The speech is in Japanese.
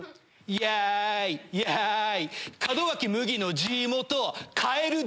やいやい